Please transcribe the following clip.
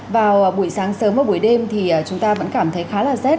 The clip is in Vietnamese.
vào buổi sáng sớm và buổi đêm thì chúng ta vẫn cảm thấy khá là rét